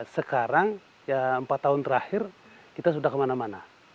sekarang ya empat tahun terakhir kita sudah kemana mana